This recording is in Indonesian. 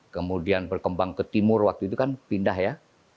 kemudian berkembang ke timur waktu itu kan pindah ya